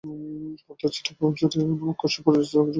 আন্তঃপ্রাচীরে choanocyte নামক কোষে পরিবেষ্টিত একাধিক প্রকোষ্ঠ রয়েছে।